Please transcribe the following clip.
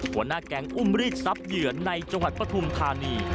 หัวหน้าแก๊งอุ้มรีดทรัพย์เหยื่อในจังหวัดปฐุมธานี